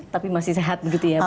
tapi masih sehat begitu ya bu ya